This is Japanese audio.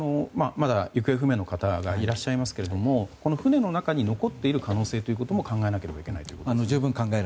まだ行方不明の方がいらっしゃいますけどこの船の中に残っている可能性ということも考えなければいけないと。